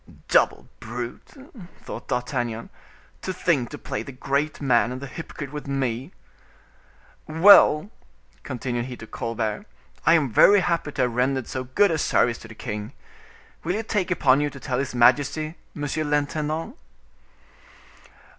"Double brute!" thought D'Artagnan, "to think to play the great man and the hypocrite with me. Well," continued he to Colbert, "I am very happy to have rendered so good a service to the king; will you take upon you to tell his majesty, monsieur l'intendant?"